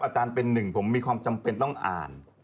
อาจารย์เป็นหนึ่งผมมีความจำเป็นต้องอ่าน